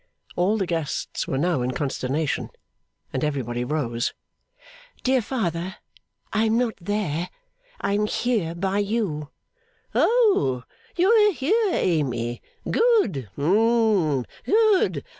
All the guests were now in consternation, and everybody rose. 'Dear father, I am not there; I am here, by you.' 'Oh! You are here, Amy! Good. Hum.